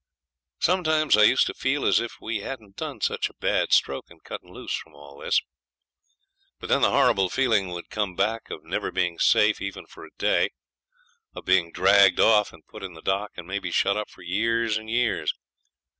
Sometimes I used to feel as if we hadn't done such a bad stroke in cutting loose from all this. But then the horrible feeling would come back of never being safe, even for a day, of being dragged off and put in the dock, and maybe shut up for years and years.